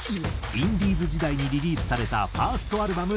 インディーズ時代にリリースされたファーストアルバム